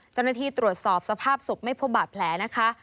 เจ้าหน้าที่ตรวจสอบสภาพศพไม่พบบาดแผลนะคะ